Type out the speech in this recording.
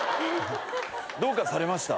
どうかされました？